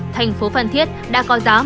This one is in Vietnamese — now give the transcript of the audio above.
thành phố phan thiết đã có giá